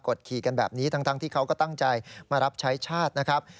ขี่กันแบบนี้ทั้งที่เขาก็ตั้งใจมารับใช้ชาตินะครับ